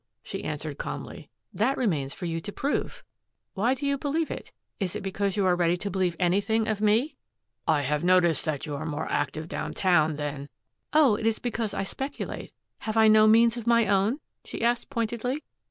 she answered calmly. "That remains for you to prove. Why do you believe it? Is it because you are ready to believe anything of me!" "I have noticed that you are more active downtown than " "Oh, it is because I speculate. Have I no means of my own?" she asked pointedly.